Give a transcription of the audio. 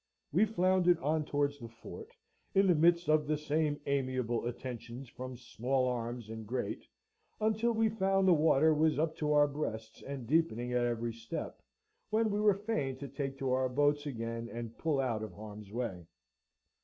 We floundered on towards the fort in the midst of the same amiable attentions from small arms and great, until we found the water was up to our breasts and deepening at every step, when we were fain to take to our boats again and pull out of harm's way.